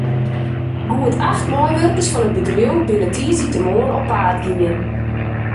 Goed acht meiwurkers fan it bedriuw binne tiisdeitemoarn op paad gien.